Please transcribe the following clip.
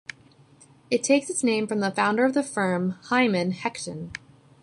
It takes its name from the founder of the firm, Hyman Hetchin.